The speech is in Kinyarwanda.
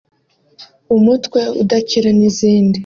umutwe udakira n’izindi